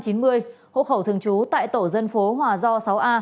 hộ khẩu thường trú tại tổ dân phố hòa do sáu a